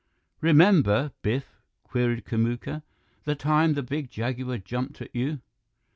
"Remember, Biff?" queried Kamuka. "The time the big jaguar jumped at you?"